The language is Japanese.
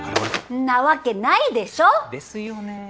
んなわけないでしょ！ですよね。